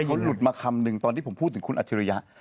เขาหลุดมาคำหนึ่งตอนที่ผมพูดถึงคุณอัจฉริยะ